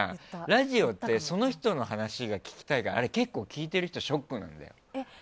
ラジオってその人の話が聞きたいから結構、聞いてる人ってショックなんだよ。